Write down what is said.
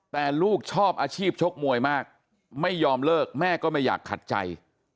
แต่ลูกชอบอาชีพชกมวยมากไม่ยอมเลิกแม่ก็ไม่อยากขัดใจ